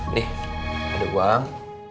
nih ada uang